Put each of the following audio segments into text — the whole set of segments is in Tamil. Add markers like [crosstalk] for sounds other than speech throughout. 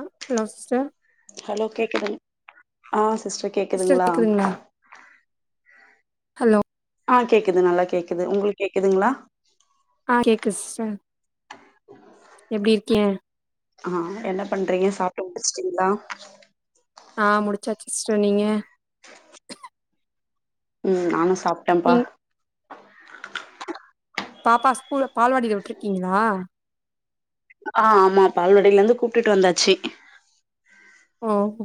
அ ஹலோ சிஸ்டர் ஹலோ கேக்குதுங் ஆ சிஸ்டர் கேக்குதுங்களா ஹலோ ஆ கேக்குது நல்லா கேக்குது உங்களுக் கேக்குதுங்ளா ஆ கேக்கு சிஸ்டர் எப்டி இருக்கிக ஆ என்ன பண்றீங்க சாப்ட்டு முடிச்சுட்டீங்ளா ஆ முடிச்சாச்சு சிஸ்டர் நீங்க ம் நானு சாப்ட்டேம்ப்பா நீங் பாப்பா ஸ்கூல்ல பால்வாடில விட்ருக்கிங்ளா ஆ ஆமா பால்வாடிலந்து கூப்ட்டுட் வந்தாச்சி ஓ ஹோ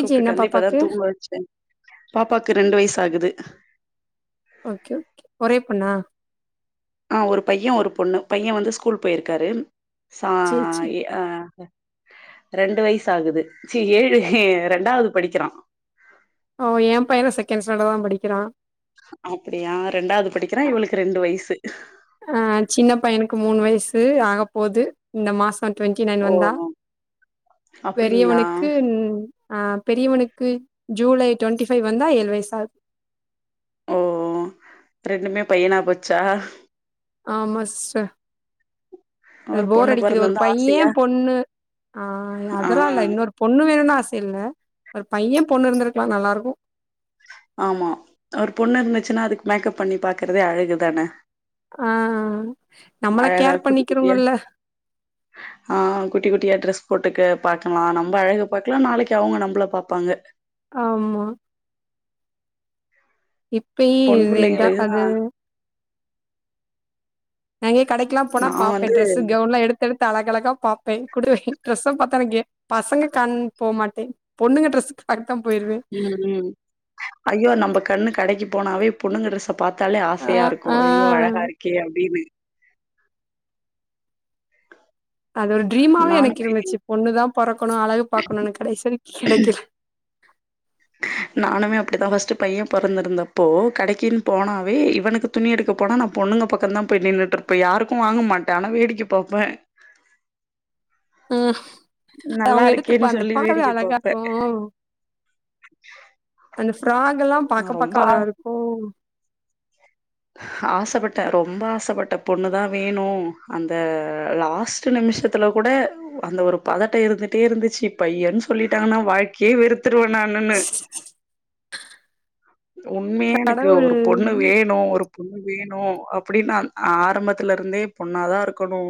கூப்டுட்டு என்ன வந்து இப்பதா பாப்பாக்கு தூங்க வச்சே பாப்பாக்கு ரெண்டு வய்ஸ் ஆகுது ஓகே ஒகே ஒரே பொண்ணா ஆ ஒரு பையன் ஒரு பொண்ணு பையன் வந்து ஸ்கூல் போய்ர்க்காரு சா சேச்சி இ ஆ ரெண்டு வய்ஸ் ஆகுது சீ ஏழு ஹே ரெண்டாவ்து படிக்கிறா ஓ என் பையனு செகண் ஸ்டாண்டட் தா படிக்கிறா அப்டியா ரெண்டாவ்து படிக்கிறா இவ்ளுக் ரெண்டு வய்சு ஆ சின்ன பையனுக்கு மூணு வயசு ஆகப்போது இந்த மாஸ் வன் ட்வெண்டி நைன் ஓ வந்தா அப்படிங்களா பெரியவனுக்குன் ஆ பெரியவனுக்கு ஜூலை டொண்டி ஃபை வந்தா ஏழ் வய்சாத் ஓ ரெண்டுமே பய்யனா போச்சா ஆமா சிஸ்டர் அ ஒரு போர் பொண்ணு அடிக்குது ஒரு பொறந்திருந்தா ஆசையா பையன் பொண்ணு ஆ ஆ அதல்லா இல்ல இன்னொர் பொண்ணு வேணுனு ஆச இல்ல ஒரு பையன் பொண்ணு இருந்துருக்லா நல்லார்க்கு ஆமா ஒரு பொண்ணு இருந்துச்சுன்னா அதுக் மேக்கப் பண்ணி பாக்கறதே அழகுதான ஆ நம்மள அழகா கேர் குட்டி குட்டியா பண்ணிக்கிறவங்கல்ல ஆ குட்டி குட்டியா ட்ரெஸ் போட்டுக்கு பாக்கலா நம்ப அழகு பாக்லா நாளைக்கு அவுங்க நம்ப்ள பாப்பாங்க ஆமா இப்பயி பொண் இதேதா பிள்ளைங்களுக்கு தான் அது நாங்கே கடைக்கல்லா போனா நான் பாப்பே வந்து ட்ரெஸ்ஸு கவுன்லா எடு தெடுத்து அழக அழகா பாப்பே குடுவே ட்ரெஸ்ஸ பாத்தாலுகே பசங்க கண் போ மாட்டே பொண்ணுங்க ட்ரெஸ்ஸுக்கு அர்த்தம் போய்ர் ம் ம் ஐயோ நம்ப கண்ணு கடைக்கி போனாவே பொண்ணுங்க ட்ரெஸ்ஸ பாத்தாலே ஆ ஆசயா இருக்கு ஆ ஐயோ அழகா இருக்கே அப்டின்னு அது ஒரு ட்ரீமாவே எனக் நானுமே இருந்துச்சி பொண்ணு தா பொறக்கணு அழகு பாக்கணு ஆனா கடைசி வரைக் கெடைக்கல நானுமே அப்டித்தா ஃபஸ்ட்டு பையன் பொறந்திருந்தப்போ கடைக்கின் போனாவே இவனுக்குத் துணி எடுக்க போனா நா பொண்ணுங்க பக்கன்தா போய் நின்னுட்டுருப்பே யாருக்கு வாங்க மாட்டே ஆனா வேடிக்க பாப்பே ம் நல்லா அவ்ங்க எடுத்துப்பா இருக்கேன்னு அந்த சொல்லி பார்வ வேடிக்க அழகா பாப்பே ரூ அந்த ஃப்ராக் எல்லா பாக்க ரொம்ப பாக்க ஆ அழகா ருக்கு ஆசபட்ட ரொம்ப ஆசபட்ட பொண்ணு தா வேணு அந்த லாஸ் து நிமிஷத்துல கூட அந்த ஒரு பதட்ட இருந்துட்டே இருந்துச்சி பையன் சொல்லிட்டாங்கன்னா வாழ்க்கையே வெறுத்துருவே நானுன்னு உண்மையே எனக்கு கடவுள் ஒரு பொண்ணு வேணு ஒரு பொண்ணு வேணு அப்டின்னான் ஆரம்பத்துல இருந்தே பொண்ணாதா இருக்கணு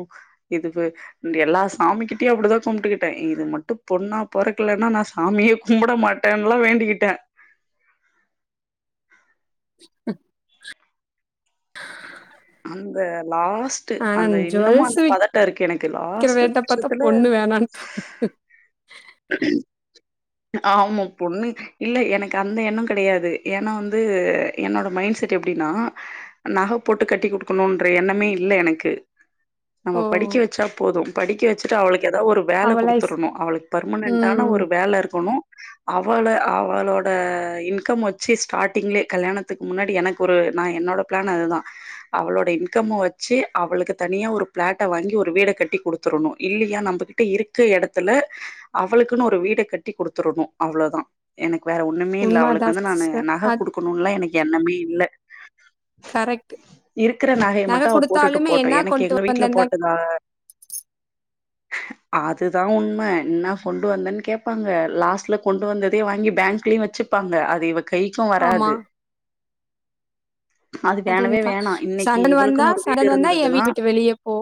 இதுகு ன்டு எல்லா சாமி கிட்டயு அப்டிதா கும்ட்டுக்கிட்டே இது மட்டு பொண்ணா பொறக்கலன்னா நா சாமியே கும்பட மாட் ட்டன்லா வேண்டிக்கிட்டே அந்த லாஸ் ட்டு ஆனா அந்த இன்னமு ஜுவல்ஸ் அந்த பதட்ட இருக்கு எனக்கு விக்கிற லாஸ்ட்டு ரேட்ட பாத்தா ம்ஷத்துல பொண்ணு வேணான்னு ஆமா பொண்ணு இல்ல எனக்கு அந்த எண்ணோ கெடையாது ஏனா வந்து என்னோட மைண்ட் செட் எப்டின்னா நகப்போட் டு கட்டி குடுக்கணுன்ற எண்ணமே இல்ல எனக்கு நம்ப தோ படிக்க வச்சா போது படிக்க வச்சுட்டு அவளுக்கு ஏதாவது ஒரு வேல அவ லைஃப் குடுத்துடணு அவளுக்கு பெர்மனன்டான ம் ஒரு வேல இருக்கணு அவள அவளோட இன்கம் வச்சு ஸ்டார்ட்டிங்லே கல்யாணத்துக்கு முன்னாடி எனக்கு ஒரு நா என்னோட பிளான் அது தா அவளோட இன்கம வச்சு அவளுக்கு தனியா ஒரு பிளாட்ட வாங்கி ஒரு வீட கட்டி கொடுத்துடனு இல்லையா நம்மகிட்ட இரு இருக்க எடத்துல அவளுக்குன்னு ஒரு வீட கட்டி குடுத்துடனு அவ்ளோதா எனக்கு வேற ஒண்ணுமே இல்ல உண்மதா அவளுக்கு வந்து நானு சிஸ்டர் நக அது கொடுக்கணும் எல்லா எனக்கு எண்ணமே இல்ல கரெக்ட் இருக்கிற நகைய நக மட்டு அவ போட்டுட்டு குடுத்தாலுமே போட்டு என்னா எனக்கு கொண்டு எங்க வீட்ல வந்தேன்தா போட்டதா [inaudible] அது தா உண்ம என்ன கொண்டு வந்தேன்னு கேட்பாங்க லாஸ்ட்ல கொண்டு வந்ததே வாங்கி பேங்க்லேயு வச்சு வைப்பாங்க அது இவ கைக்கு ஆமா வராது அது அது உண்ம வேணவே தா வேணாம். இன்னைக்கு சண்டன் வந்தா இவளுக்குன்னு ஒரு வீடு சண்டன் வந்தா எ இருந்ததுன்னா, வீட்ட விட்டு வெளியே போ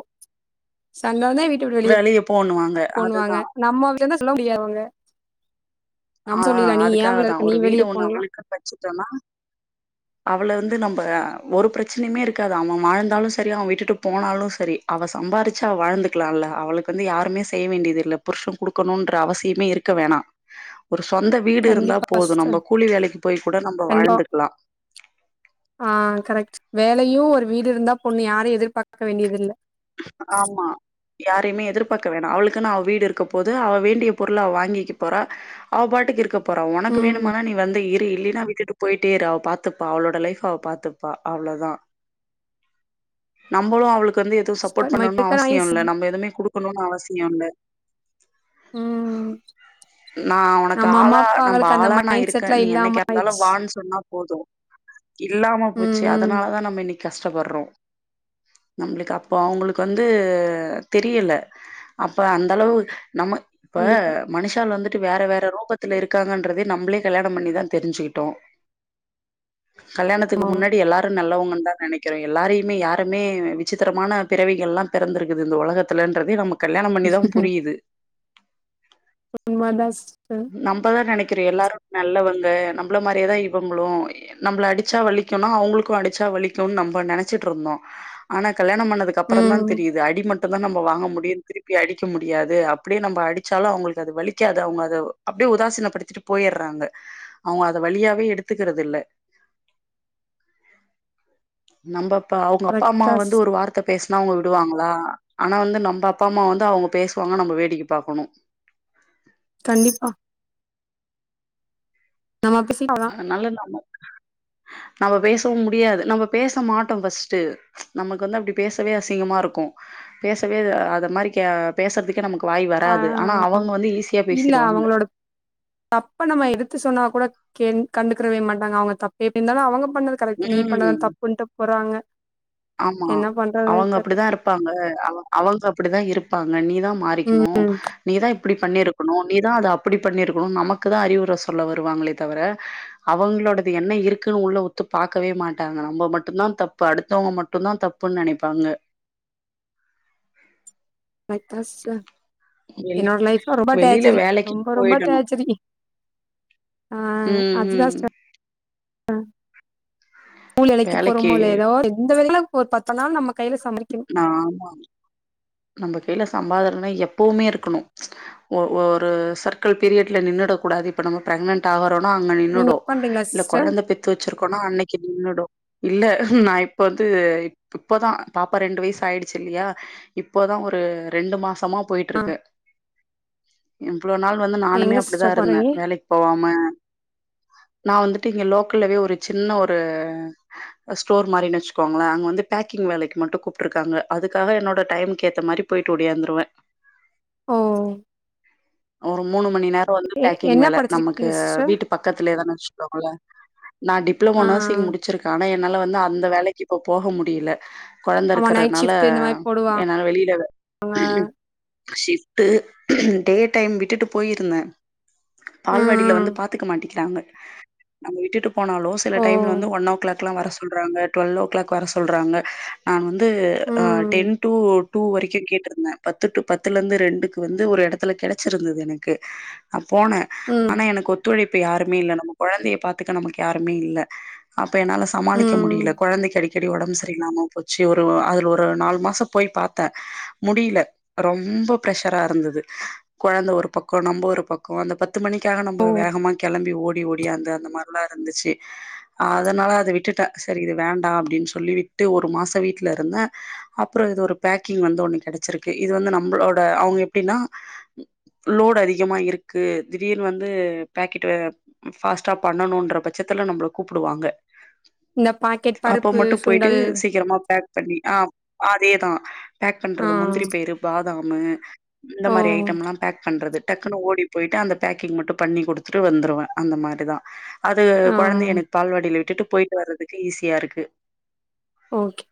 சண்ட வந்தா வீட்ட விட்டு வெளிய போண்ணுவாங்க. போண்ணுவாங்க அதுதான். நம்ம அப்டிலா சொல்ல முடியாது நம்ம ஆ சொல்லிலா நீ ஏ விடா இருக்கு நீ வெளியே போன்லா படிச்சிட்டோனா அவள வந்து நம்ம ஒரு பிரச்சனையுமே இருக்காது அவ வாழ்ந்தாலு செரி அவ விட்டுட்டு போனாலு செரி அவ சம்பாரிச்சா அவ வாழ்ந்துக்கலா இல்ல அவளுக்கு வந்து யாருமே செய்ய வேண்டியது இல்ல புருஷ கொடுக்கணும்ன்ற அவசியமே இருக்க வேணா ஒரு சொந்த வீடு இருந்தா கண்டிப்பா போது சிஸ்டர் நம்ம கூலி வேலைக்கு போய் கூட நம்ம கண்டிப்பா வாழ்ந்துக்குலா ஆ கரெக்ட் வேலையு ஒரு வீடு இருந்தா போது யாரையு எதிர்பார்க்க வேண்டியது இல்ல ஆமா யாரையுமே எதிர்பார்க்க வேணா அவளுக்குனு அவ வீடு இருக்க போது அவ வேண்டிய பொருள அவ வாங்கிக்க போறா அவ பாட்டுக்கு இருக்க போற உனக்கு ம் வேணுமனா நீ வந்த இரு இல்லின்னா விட்டிட்டு போ போய்ட்டே இரு அவ பாத்துப்பா அவளோட லைஃப் அவ பாத்துப்பா அவ்ளதா நம்மளு அவளுக்கு வந்து எதுவு சூப்பர் சப்போர்ட் நம்ம இப்ப பண்ணணு அவசியோ இருக்க இல்ல நம்ம எதுவுமே குடுக் அவசியோ இல்ல ம் நா உனக்கு நம்ம அம்மா ஆளா நம்ம அப்பாங்களுக்கு அந்த ஆளா நா மைண்ட் இருக்கே செட்லா நீ இல்லாம என்னைக்கா இருந்தாலு ஆயிடுச்சு வான்னு சொன்னா போது இல்லாம ம் போச்சு ம் அதனால தா நம்ம இன்னைக்கு கஷ்டப்பட்றோ நம்மளுக்கு அப் இப்ப அவங்களுக்கு வந்து தெரியல அப்போ அந்த அளவு நம்ம இப்ப கண்டிப்பா மனுஷாள் வந்துட்டு வேற வேற ரூபத்துல இருக்காங்கன்றதே நம்மளே கல்யாணோ பண்ணிதா தெரிஞ்சிகிட்டோ [inaudible] கல்யாணத்துக்கு ஆமாமா முன்னாடி எல்லாரு நல்லவங்கன்னு தா நெனைக்கிறே எல்லாரையுமே யாரயுமே விசித்திரமான பிறவிகள் எல்லா பிறந்திருக்குது இந்த உலகத்துலன்றதே நம்ம கல்யாணம் பண்ணிதா புரியுது உண்மதா சிஸ்டர் நம்மதா நெனைக்கிறோ எல்லாரு நல்லவங்க நம்மள மாதிரியேதா இவங்களு நம்மள அடிச்சா வலிக்குனா அவங்களுக்கு அடிச்சா வலிக்குனு நம்ம நெனைச்சிட்டு இருந்தோ ஆனா கல்யாணம் பன் அப்றோ தா ம் தெரியுது அடிமட் மட்டு தா நம்ம வாங்க முடியு திருப்பி அடிக்க முடியாது அப்டியே நம்ம அடிச்சாலு அவங்களுக்கு அது வலிக்காது அவங்க அத அப்டியே உதாசின படுத்திட்டு போயிறாங்க அவங்க அத வலியாவே எடுத்துக்கிறது இல்ல [inaudible] நம்மபப்ப அவங்க அப்பா அம்மா கரெக்டா வந்து சிஸ் ஒரு வார்த் பேசனா அவுங்க விடுவாங்களா ஆனா வந்து நம்ம அப்பா அம்மா வந்து அவுங்க பேசுவாங்க நம்ம வேடிக்கை பாக்கணு கண்டிப்பா நம்ம பேசிக்கலா அதனால நாம நம்ம பேசவு முடியாது நம்ம பேச மாட்டோ ஃபர்ஸ்ட்ட நமக்கு வந்து அப்படி பேசவே அசிங்கமா இருக்கு பேசவே அத மாரி அ பேசுறதுக்கு நமக்கு வாய் ஆ வராது ஆனா அவங்க வந்து ஈஸியா இல்ல பேசிருவாங்க அவங்களோட தப்ப நம்ம எடுத்து சொன்னா கூட கே கண்டுக்கறவே மாட்டாங்க அவங்க தப்பே எப்படி இருந்தாலும் அவங்க பண்ணறதுக்கு கரெக்ட் நீ பண்ணதா ம் தப்புன்ட்டு போறாங்க ஆமா என்ன பண்றது அவங்க தெரில அப்டிதா அவங்க அப்படிதா இருப்பாங்க நீதான் மாறிக்கணு ம் நீதான் இப்டி பண்ணிருக்கணு நீதான் அத அப்படி பண்ணிருக்கணும்னு நமக்கு தா அறிவுரை சொல்ல வருவாங்களே தவிர அவங்களோடது என்ன இருக்குன்னு உள்ள உத் த்து பாக்கவே மாட்டாங்க நம்ம மட்டும்தான் தப்பு அடுத்தவங்க மட்டும்தான் தப்புன்னு நினைப்பாங்க பய்த்தஸ் ச வெளி என்னோட லைப்ல ரொம்ப வெளில டேச்சரி வேலைக்கு ரொம்ப ரொம்ப போயிடணு டேச்சரி ஆ ம் அதுதா ம் சிஸ்டர் மூள் இலைக்கி வேலைக்கு போறோமோ இல்லையோ ஏதோ எந்த [unintelligible] ஒரு பத்த நாள் நம்ம கையில சமைக்கணு ஆ ஆமா நம்ம கையில சம்பாதனைனா எப்பவுமே இருக்கணும் ஒரு சர்க்கிள் பீரியட்ல நின்றுடக் கூடாது இப்ப நம பிரக்னன்ட் ஆகறோனா அங்க நீங்க நின்றுடு ஒர்க் பண்றீங்களா இல்ல சிஸ்டர் குழந்தை பெத்து வச்சிருக்கோனா அன்னைக்கு நின்றுடு இல்ல நான் இப்ப வந்து இப்பதான் பாப்பா ரெண்டு வயசு ஆயிடுச்சு இல்லையா இப்போதா ஒரு ரெண்டு மாசமா போயிட்டு இருக்கே இவ்வளவு நாள் வந்து எங்க நானுமே அப்படிதா சிஸ்டர் இருந்தே போறீங்க வேலைக்கு போவாம நா வந்துட்டு இங்க லோக்கல்லவே ஒரு சின்ன ஒரு ஸ்டோர் மாரினச்சுக்கோங்கலே அங்க வந்து பேக்கிங் வேலைக்கு மட்டும் கூப்பிட்டுருக்காங்க அதுக்காக என்னோட டைம்க்கு ஏத்த மாரி போயிட்டு உடியாந்துருவே ஓ ஒரு மூணு மணி நேரோ வந்து எ பேக்கிங் என்ன வேலை நமக்கு படிச்சிருக்கீங்க சிஸ்டர் வீட்டு பக்கத்திலே தானுவச்சுகொங்கலே நா டிப்ளமோ ஆ நர்சி்ங் முடிச்சிருக்கே ஆன அதனால வந்து அந்த வேலைக்கு இப்ப போக முடில கொழந்த ஆமா நைட் இருக்கறனால ஷிஃப்ட் இந்த மாரி போடுவாங் என்னால வெளியில ஷிப்டு டே டைம் விட்டுட்டு போயிருந்தே பால்வாடியில ம் வந்து பாத்துக்க மாட்டிக்கிறாங்க நம்ம விட்டுட்டு போனாலம் சில ஓ டைம்ல வந்து ஒன் ஓ கிளாக்லாம் வர சொல்றாங்க டுவெல் ஓ கிளாக் வர சொல்றாங்க நான் வந்து ம் டென் வரைக்கும் கேட்டிருந்தேன பத்து டு பத்துல இருந்து ரெண்டுக்கு வந்து ஒரு இடத்துல கிடைச்சிருந்தது எனக்கு ஆ போனே ம் ஆனா எனக்கு ஒத்துழைப்பு யாருமே இல்ல நம்ம கொழந்தைய பாத்துக்க நமக்கு யாருமே இல்ல அப்ப என்னால சமாளிக்க ம் முடில கொழந்தைக்கு அடிக்கடி உடம்பு சரியில்லாமா போச்சு ஒரு அதுல ஒரு நாலு மாசம் போய் பாத்தே முடில ரொம்ப பிரஷ்ரா இருந்தது கொழந்த ஒரு பக்கோ நம்ம ஒரு பக்கோ அந்த பத்து மணிக்காக நம்ம வேகமா கிளம்பி ஓடி ஓடியாந்து அந்த மாரி புல்லா இருந்துச்சு அதனால அத விட்டுட்டே சரி இது வேண்டா அப்டின்னு சொல்லி விட்டு ஒரு மாசம் வீட்டுல இருந்தே அப் அப்புற இது ஒரு பேக்கிங் வந்து ஒண்ணு கிடைச்சிருக்கு இது வந்து நம்மளோட அவங்க எப்படின்னா லோட் அதிகமா இருக்கு திடீர் வந்து பாக்கெட்டு பாஸ்ட்டா பண்ணணுன்ற பட்சத்துல நம்மள கூப்பிடுவாங்க இந்த பாக்கெட் அப்ப பருப்பு மட்டு போய்ட்டு சுண்டல் சீக்கரமா பேக் பண்ணி ஆ அதேதா பேக் ஆ பண்றது முந்திரி பயரு பாதாமு இந்த ஓ மாரி ஐட்டம்லா பேக் பண்றது டக்குன்னு ஓடி போயிட்டு அந்த பேக்கிங் மட்டு பண்ணி குடுத்துட்டு வந்துருவே அந்த மாரிதா அது ஆ கொழந்த எனக்கு பால்வாடில விட்டுட்டு போயிட்டு வர்றதுக்கு ஈஸியா இருக்கு ஓகே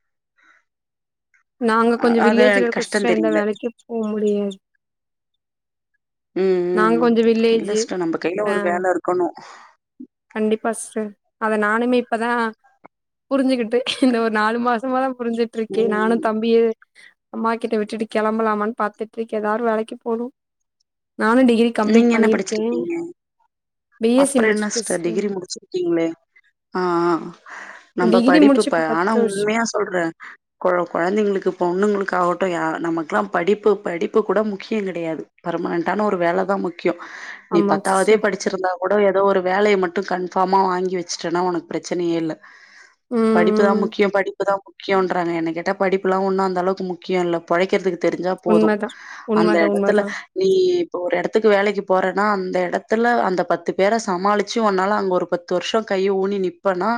நாங்க கொஞ்சோ அது வில்லேஜ்ல எனக்கு இருக்கோ கஷ்டம் சிஸ்டர் எந்த தெரியல. வேலைக்கு போ முடியாது ம் ம் நாங்க ம் கொஞ்சோ இல்ல வில்லேஜு சிஸ்டர் நம்ம கையில ஆ ஒரு வேல இருக்கணு கண்டிப்பா சிஸ்டர் அத நானுமே இப்பதா புருஞ்சுகிட்டு இந்த ஒரு நாலு மாசமாதா புருஞ்சுகிட்ருக்கே நானு ம். தம்பிய அம்மா கிட்ட விட்டுட்டு கெளம்பலாமான் பாத்துட்ருக்கே ஏதாரு வேலைக்கு போணு நானு டிகிரி நீங்க கம்ப்ளீட் என்ன பண்ணிருக்கே படிச்சிருக்கீங்க? பி எஸ் சி முடுச் ச டிகிரி முடுச்சுருக்கீங்களே ஆ நம்ப டிகிரி படிப்பு முடிச்சு ப இப்ப ஆனா பத்து வருஷ உண்மையா சொல்றே கொழ கொழந்தைங்களுக்கு பொண்ணுங்களுக்காகட்டு யாரா நமக்குலா படிப்பு படிப்பு கூட முக்கிய கெடையாது பர்மனன்டான ஒரு வேலதா முக்கியோ நீ ஆமா பத்தாவதே சிஸ்டர் படி ச்சிருந்தா கூட ஏதோ ஒரு வேலைய மட்டு கன்பாஃமா வாங்கி வச்சுடேனா உனக்கு பிரச்சனையே இல்ல ம் படிப்புதா ம் முக்கியோ படிப்புதா முக்கியோன்றாங்க என்ன கேட்டா படிப்புல்லா ஒன்னு அந்தளவுக்கு முக்கியோ இல்ல பொழைக்கிறதுக்கு தெருஞ்சா போது உண்மதா அந்த உண்மதா எடத்துல உண்மதா நீ இப்ப ஒரு எடத் துக்கு வேலைக்கு போறன்னா அந்த எடத்துல அந்த பத்து பேர சமாளிச்சு ஒன்னால அங்க ஒரு பத்து வருஷோ கைய ஊனி நி ப்பனா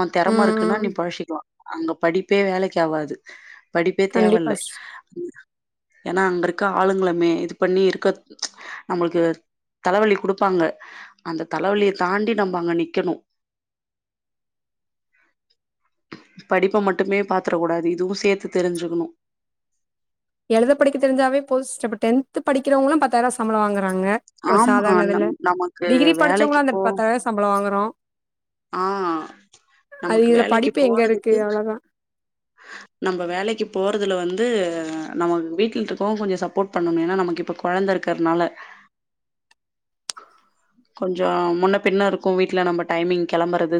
ஒ தெறம ம் இருக்குனா ம் நீ பொழஷிகலா அங்க படிப்பே வேலைக் ஆவாது படிப்பே தேவ கண்டிப்பா இல்ல சிஸ் ஏனா அங்க இருக்க ஆளுங்கள மே இது பண்ணி இருக்க நம்மளுக்கு தலவலி குடுப்பாங்க அந்த தலவலிய தாண்டி நம்ப அங்க நிக்கணு படிப்ப மட்டுமே பாத்திரக் கூடாது இதுவு சேத்து தெரிஞ்சுக்கணு எழுத படிக்க தெரிஞ்சாவே போது சிஸ்டர் இப்ப டென்து படிக்கிறவங்களா பத்தாயிர ரூவா சம்பள வாங்கறாங்க ஒரு ஆமா. சாதாரண வேல நம் நமக்கு டிகிரி வேலைக்கு படுச்சவங்களு அந்த போ பத்தாயிரோ சம்பளோ வாங்குறோ ஆ அது நமக்கு இதுல வேலைக்கு படிப்பு எங்க இருக்கு அவ்ளோதா நம்ப வேலைக்கு போறதுல வந்து நம்ம வீட்டில் இருக்கவுஙக கொஞ்சோ சப்போர்ட் பண்ணணு ஏனா நமக்கு இப்ப கொழந்த இருக்கரனால கொஞ்சோ முன்ன பின்ன இருக்கு வீட்ல நம்ம டைமிங் கெளம்பறது